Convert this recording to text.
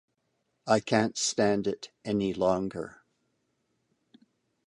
I can't stand it any longer.